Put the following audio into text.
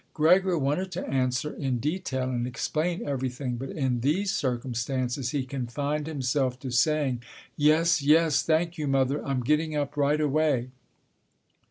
Gregor wanted to answer in detail and explain everything, but in these circumstances he confined himself to saying, "Yes, yes, thank you mother. I'm getting up right away."